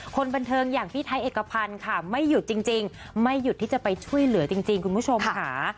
คนบันเทิงอย่างพี่ไทยเอกพันธ์ค่ะไม่หยุดจริงไม่หยุดที่จะไปช่วยเหลือจริงคุณผู้ชมค่ะ